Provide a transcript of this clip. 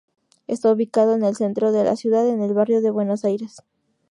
Está ubicado en el centro de la ciudad, en el barrio de Buenos Aires.